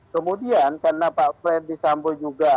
kemudian karena pak ferdi sambo juga